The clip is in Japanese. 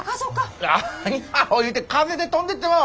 何アホ言うて風で飛んでってまうわ。